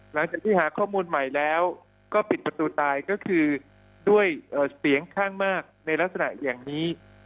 หลังจากที่หาข้อมูลใหม่แล้วก็ปิดประตูตายก็คือด้วยเสียงข้างมากในลักษณะอย่างนี้